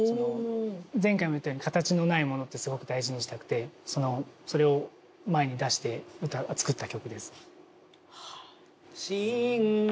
前回も言ったように形のないものってすごく大事にしたくてそれを前に出して作った曲です。